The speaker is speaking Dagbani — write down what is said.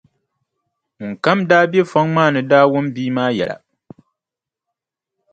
Ŋun kam daa be fɔŋ maa ni daa wum bia maa yɛla.